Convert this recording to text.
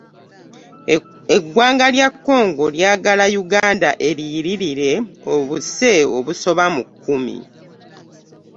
Eggwanga lya Congo lyagala Uganda eririyirire obuse obusoba mu kkumi.